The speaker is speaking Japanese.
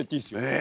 え！